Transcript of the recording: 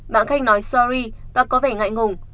bạn khách nói sorry và có vẻ ngại ngùng